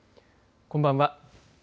こんばんは。